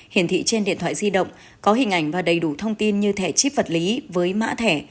hiển thị trên điện thoại di động có hình ảnh và đầy đủ thông tin như thẻ chip vật lý với mã thẻ